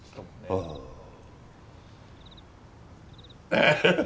アハハハッ。